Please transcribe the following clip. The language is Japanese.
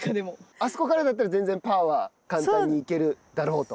あそこからだったら、全然パーは簡単に行けるだろうと。